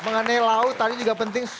mengenai laut tadi juga penting